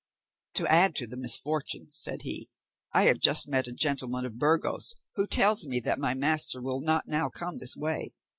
"To add to the misfortune," said he, "I have just met a gentleman of Burgos, who tells me that my master will not now come this way.